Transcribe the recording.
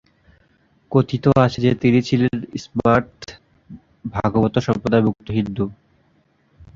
কথিত আছে যে তিনি ছিলেন স্মার্ত ভাগবত সম্প্রদায়ভুক্ত হিন্দু।